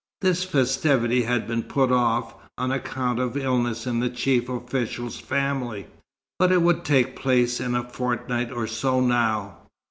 This festivity had been put off, on account of illness in the chief official's family; but it would take place in a fortnight or so now.